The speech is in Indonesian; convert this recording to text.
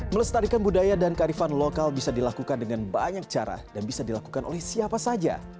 melestarikan budaya dan kearifan lokal bisa dilakukan dengan banyak cara dan bisa dilakukan oleh siapa saja